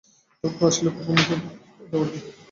তারপর আসিল কুমুদের যাওয়ার দিন।